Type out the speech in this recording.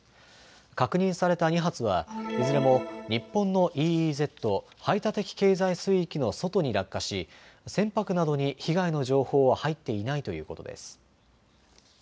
確認された２発はいずれも日本のＥＥＺ・排他的経済水域の外に落下し船舶などに被害の情報は入っていないということです。